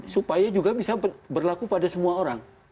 supaya juga bisa berlaku pada semua orang